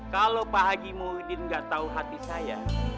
kalau pak haji muhyiddin gak tau hati saya